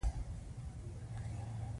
دا له فاتالیس څخه یې اخیستي دي